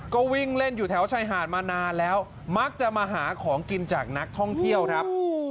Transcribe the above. ก็วิ่งเล่นอยู่แถวชายหาดมานานแล้วมักจะมาหาของกินจากนักท่องเที่ยวครับ